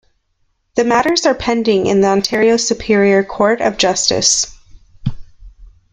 The matters are pending in the Ontario Superior Court of Justice.